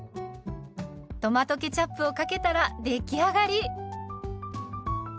トマトケチャップをかけたら出来上がり。